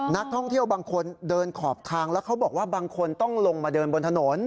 นักท่องเที่ยวบางคนเดินขอบทางแล้วเขาบอกว่าบางคนต้องลงมาเดินบนถนน